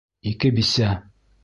Ике бисә!